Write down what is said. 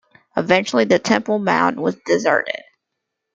Eventually the temple mound was deserted.